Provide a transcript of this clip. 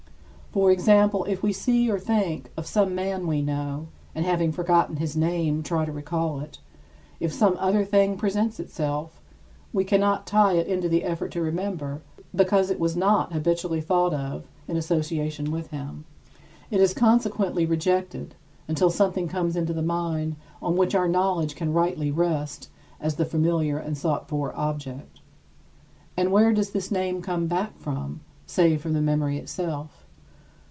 For example, if we see or think of some man we know, and, having forgotten his name, try to recall it if some other thing presents itself, we cannot tie it into the effort to remember, because it was not habitually thought of in association with him. It is consequently rejected, until something comes into the mind on which our knowledge can rightly rest as the familiar and sought for object. And where does this name come back from, save from the memory itself?